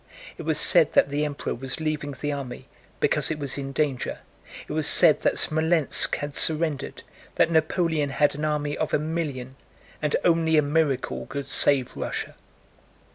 It was said that the Emperor was leaving the army because it was in danger, it was said that Smolénsk had surrendered, that Napoleon had an army of a million and only a miracle could save Russia.